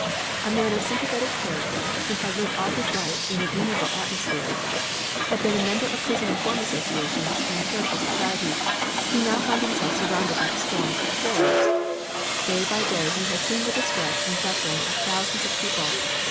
A man of a sympathetic character who had lived all his life in an amiable atmosphere, had been a member of prison reform associations and charitable societies, he now found himself surrounded by a storm of horrors. Day by day he had to see the distress and suffering of thousands of people.